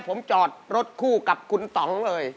ผมจอดรถคู่กับคุณต่องเลย